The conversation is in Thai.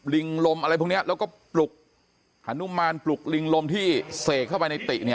ลิงลมอะไรพวกนี้แล้วก็ปลุกฮนุมานปลุกลิงลมที่เสกเข้าไปในติเนี่ย